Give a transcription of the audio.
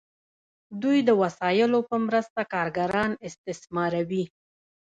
دوی د وسایلو په مرسته کارګران استثماروي.